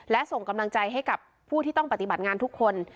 และส่งกำลังใจให้กับผู้ที่ต้องปฏิบัติงานทุกคน